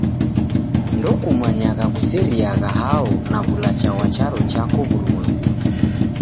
Ndokumanyagha kuseriagha hao na w'ulacha ghwa charo chako w'urumwengunyi.